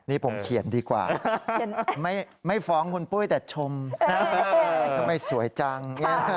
นี่ผมเขียนดีกว่าไม่ฟ้องคุณปุ้ยแต่ชมทำไมสวยจัง